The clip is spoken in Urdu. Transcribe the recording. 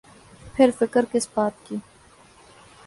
پھر فکر کس بات کی۔